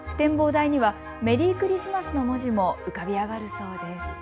展望台にはメリークリスマスの文字も浮かび上がるそうです。